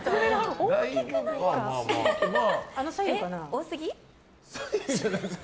多すぎ？